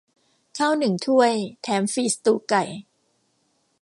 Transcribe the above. ข้าวหนึ่งถ้วยแถมฟรีสตูว์ไก่